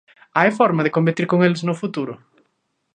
Hai forma de competir con eles no futuro?